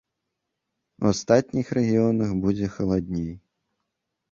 У астатніх рэгіёнах будзе халадней.